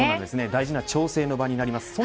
大事な調整になります。